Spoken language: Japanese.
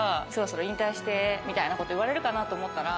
みたいなこと言われるかなと思ったら。